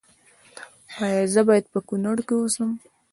ایا زه باید په کنړ کې اوسم؟